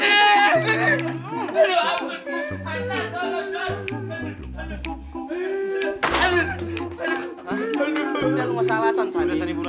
udah lo gak usah alasan sani buruan